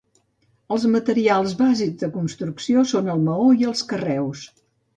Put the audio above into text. Els materials bàsics de construcció són el maó i els carreus.